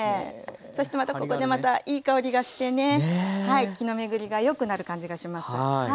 そしてまたここでまたいい香りがしてね気の巡りがよくなる感じがします。